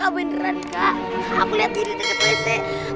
beneran kak aku liat diri terkepece